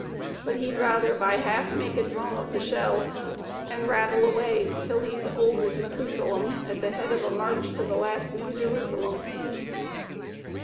But he'd rather by half make a drum of the shell. And rattle away till he's old as Methusalem, At the head of a march to the last new Jerusalem.